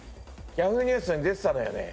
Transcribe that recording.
Ｙａｈｏｏ！ニュースに出てたのよね